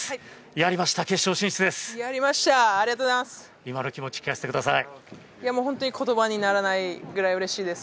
やりました、決勝進出です。